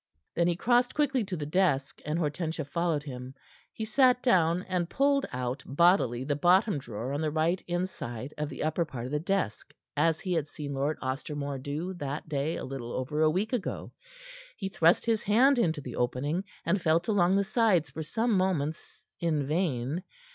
Then he crossed quickly to the desk, and Hortensia followed him. He sat down, and pulled out bodily the bottom drawer on the right inside of the upper part of the desk, as he had seen Lord Ostermore do that day, a little over a week ago. He thrust his hand into the opening, and felt along the sides for some moments in vain.